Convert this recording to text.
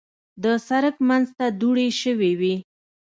د سړک منځ ته دوړې شوې وې.